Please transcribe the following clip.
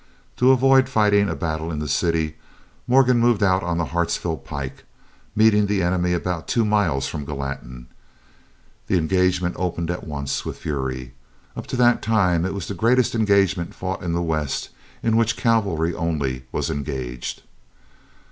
To avoid fighting a battle in the city Morgan moved out on the Hartsville pike, meeting the enemy about two miles from Gallatin. The engagement opened at once with fury. Up to that time it was the greatest engagement fought in the West in which cavalry only was engaged.